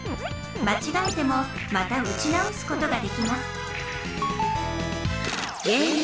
まちがえてもまた撃ち直すことができます